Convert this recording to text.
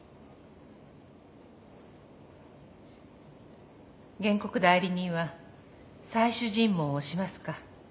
原告代理人は最終尋問をしますか？